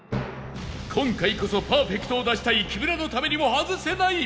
今回こそパーフェクトを出したい木村のためにも外せない！